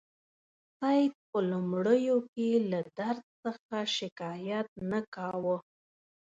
سید په لومړیو کې له درد څخه شکایت نه کاوه.